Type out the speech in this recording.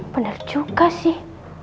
bener juga sih